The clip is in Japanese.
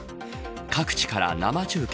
各地から生中継。